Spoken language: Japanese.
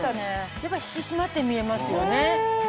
やっぱり引き締まって見えますよね。